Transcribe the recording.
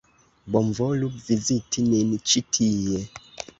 Bonvolu viziti nin ĉi tie!